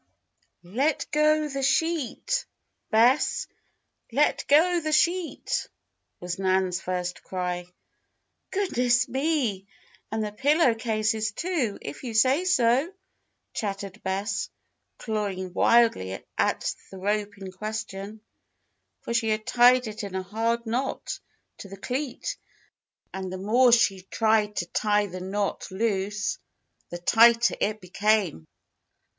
"Let go the sheet, Bess! Let go the sheet!" was Nan's first cry. "Goodness me! And the pillow cases, too, if you say so!" chattered Bess, clawing wildly at the rope in question. But she had tied it in a hard knot to the cleat, and the more she tried to pull the knot loose, the tighter it became.